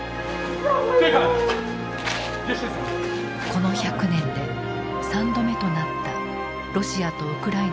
この１００年で３度目となったロシアとウクライナの戦い。